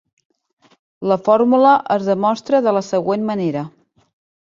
La fórmula es demostra de la següent manera.